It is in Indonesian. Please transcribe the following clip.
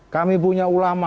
kami punya ulama